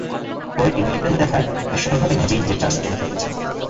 পরে টিভি রিপ্লেতে দেখায়, হাস্যকরভাবে নিজেই নিজের জার্সি টেনে পড়ে গেছেন।